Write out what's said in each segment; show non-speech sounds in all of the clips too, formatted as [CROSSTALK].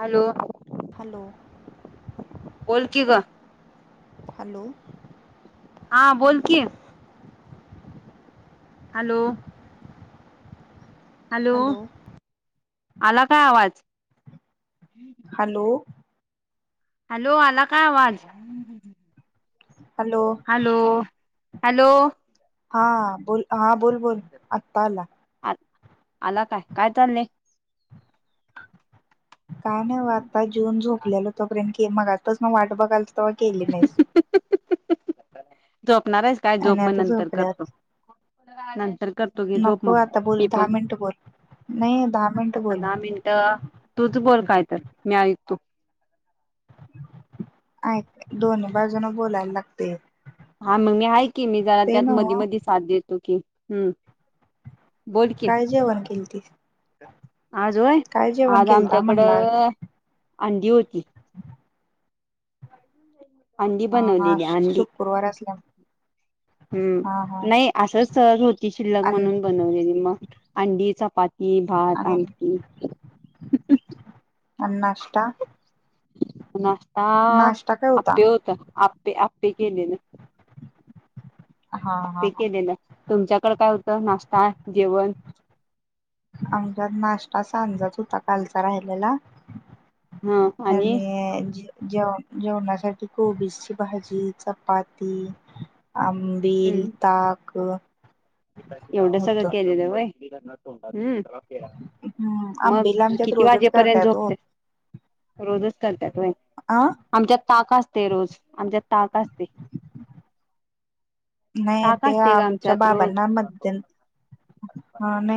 Hello. Hello. बोल की गं, हॅलो हा बोल की, हॅलो. हॅलो, आला काय आवाज. हॅलो. हॅलो, आला काय आवाज. हॅलो हॅलो, हॅलो हा बोल हा, बोल बोल आत्ता आला. आ आला काय, काय चालंय. काय नाही बघ. आता जेवून झोपलेलो तोपर्यंत, मघापासून वाट बघालतो‌, केली नाहीस. झोपणार आहेस काय? झोप आणि मग आता नंतर करतो. झोपल्यावर नंतर करतो घे. झोप नको मग आता बोल मी दहा पण, मिनिटं बोल नाही दहा मिनिटं आता बोल दहा मिनटं, तूच बोल काय तर मी ऐकतो. ऐक दोन्ही बाजूनी बोलायला लागते. हा मग मी आहे की मी जरा त्यात मध्ये नव्ह मध्ये साथ देतो की हम्म. बोल की काय जेवण केलतीस. आज होय काय जेवण आज केलता म्हणला आज आमच्याकडं अंडी होती. अंडी हा हा बनवलेली अंडी शुक्रवार असल्या हा हम् हा नाही असंच. सहज होती शिल्लक आणि म्हणून बनवलेली मग अंडी चपाती भात आणि आमटी. आणि नाष्टा. नाशता होता आप्पे होत आप्पे केलेले हा हा आप्पे केलेलं तुमच्याकड काय होतं नाश्ता जेवण आमच्यात नाश्ता सांजाच होता कालचा राहिलेला आणि जेवन. जेवणासाठी कोबीची भाजी चपाती आंबिल, हम्म ताक. एवढं सगळं होत. केलेलं होय हम्म. हम्म मग आंबिल आमच्यात किती रोजच वाजेपर्यंत करत्यात ओ झोपताय. रोजच करतात होय. आ आमच्यात ताक असते रोज आमच्यात ताक असते. नाही ताक ते असते ग आमच्या आमच्यात बाबा रोज ना. नाही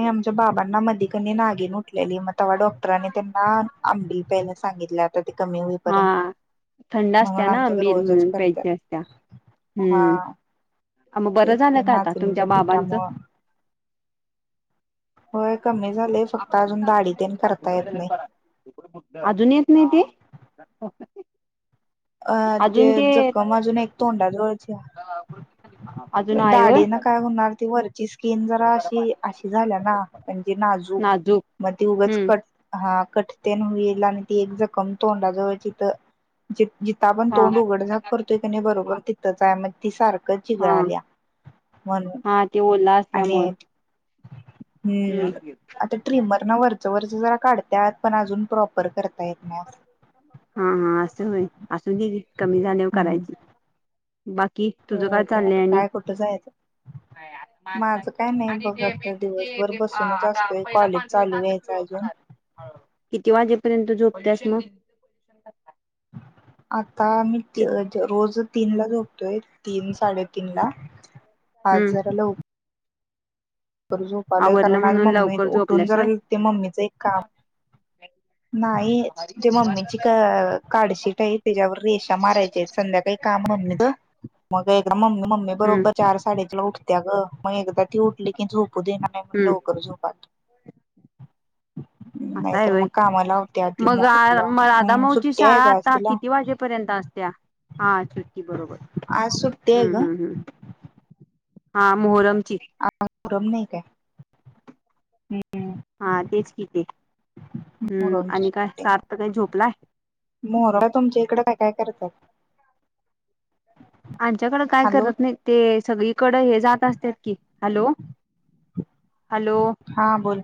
आमच्या बाबांना मध्ये नागीन उठलेली मग तेव्हा डॉक्टरनी त्यांना आंबिल प्यायला सांगितल्या कमी हा होईपर्यंत थंड असत्या म्हणून ना आमच्यात आंबील रोजच म्हणून करत. प्यायची असत्या हा हम्म मग बरं तेच की झालं का आता तुमच्या नाचनीच्या बाबांचं पिठामुळ. होय कमी झालय. फक्त अजून दाढी तेन करता येत नाही. अजून येत नाही ते [UNINTELLIGIBLE] अं ते जखम अजून एक तोंडाजवळच आहे. अजुन दाढी न काय होणार ती वरची स्किन जरा अशी अशी झाल्या ना म्हणजे नाजूक मग ते उगाच हम्म कट हा कट तेन होईल आणि एक जखम तोंडा जवळची जिथं. जिथ आपण हा तोंड उघड झाक करतोय क बरोबर तिथंच आहे मग ती सारखं हा चिघळा आल्या. म्हणून हा ते ओला आणि असल्यामुळं हम्म आता ट्रिमर ना वरच वरच जरा काढतात पण अजून प्रॉपर करता येत नाही. हा हा होय असूदे घे कमी झालेवर हम्म करायची. बाकी तुझं काय हो ते चाललंय आता आणि काय कुठं जायचं माणां माझं काय नाही आणि बघ ते आता मेन म्हणजे दिवसभर ते बसूनच आता असतोय पहिला कॉलेज पांढरूचा चालू आता व्हायचं पिवळ अजून पडल. किती वाजेपर्यंत झोपतस मग आता मी कि रोज तीन ला झोपतोय तीन साडेतीीन ला पाच हम्म जारालापतो. ब झोपा आलोय आवरलं कारण आज म्हणून मम्मी लवकर उठून झोपल्यास जरा ते मम्मीचं एक काम ह. नाही ते मम्मीची कार्डशीट आहे त्याच्यावर रेषा मारायचे संध्याकाळी काम ह का? मग एकदा म् मम्मी हम्म बरोबर चार साडीतला उठत्या ग मग एकदा ती उठली की झूप पुदना नाही म्हणलंव करजो पात [UNINTELLIGIBLE] असा आहेय लावत्या ती मग आ उठल्यावर म राधा हम्म माऊची सुट्टी आहे शाळा ग आज आता तिला किती वाजेपर्यंत असते. हा चिटकी बरोबर आज सुट्टी आहे ग हम्म हम्म हम्म. हा मोहरमची पुरम नाही का हा तेच किथे हम्म आणि काय सार तर काही झोपलाय. मोराड तुमच्या इकड काय काय करतात. आमच्याकडें काय हॅलो करत नाही ते सगळीकडे हे जात असतात कि हॅलो. हॅलो हा बोल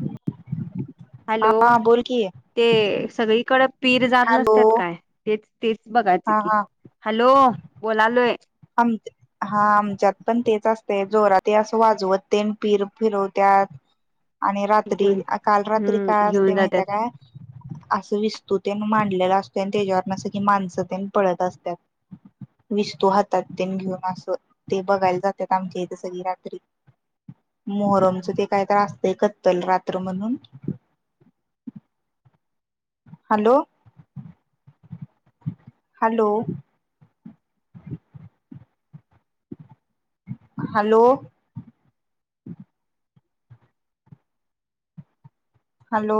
हॅलो हा बोल की ते सगळीकडे पीर जात हॅलो नसतात काय तेच तेच बघायचं हा की हॅलो बोलालोय. आ हा आमच्यात पण तेच असते जोरात वाजवत ते पिर फिरवत्या. आणि रात्री घेऊन काल रात्री हम्म काय असते घेऊन जातात माहितय काय? असं विस्तूतेन मांडलेला असतो आणि त्याच्यावर असं कि माणसं त्या पळत असतात. विसतो हातात तेन घेऊन असं ते बघायला जातात आमच्या इथे सगळी रात्री मोहरमच ते काय त्रासते कत्तल रात्र म्हणून ह. Hello hello. [UNINTELLIGIBLE] हॅलो. हॅलो.